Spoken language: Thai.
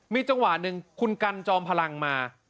มีจังหวะหนึ่งคุณกันจอมพลังมา